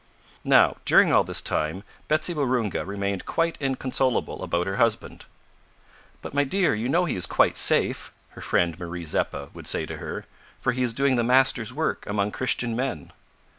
Now, during all this time, Betsy Waroonga remained quite inconsolable about her husband. "But my dear, you know he is quite safe," her friend Marie Zeppa would say to her, "for he is doing the Master's work among Christian men."